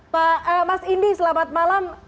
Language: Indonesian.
pak mas indi selamat malam